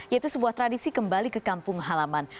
yaitu sebuah tradisi kembali ke kampung halaman